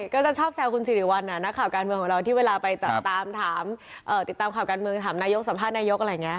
ก็จะชอบแซวคุณสิริวัลนักข่าวการเมืองของเราที่เวลาไปตามติดตามข่าวการเมืองถามนายกสัมภาษณ์นายกอะไรอย่างนี้